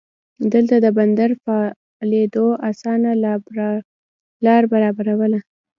دلته د بندر فعالېدو اسانه لار برابرواله.